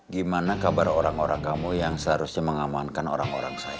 gimana kabar orang orang kamu yang seharusnya mengamankan orang orang saya